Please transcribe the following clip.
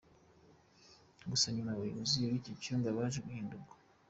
Gusa nyuma abayobozi b’icyo cyumba baje guhindurwa.